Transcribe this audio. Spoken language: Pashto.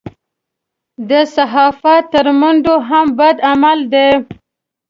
د صحافت تر ملنډو هم بد عمل دی.